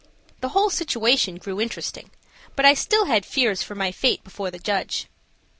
The whole situation grew interesting, but I still had fears for my fate before the judge.